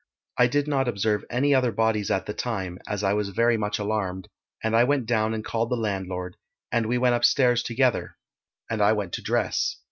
I did not observe any other bodies at the time, as I was very much alarmed, and I went down and called the landlord, and we went upstairs together; and I went to dress.